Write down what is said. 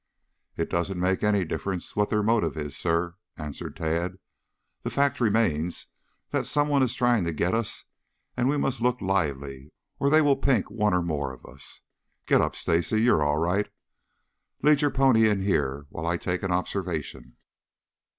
"It doesn't make any difference what their motive is, sir," answered Tad. "The fact remains that some one is trying to get us and we must look lively or they will pink one or more of us. Get up, Stacy! You are all right. Lead your pony in here while I take an observation."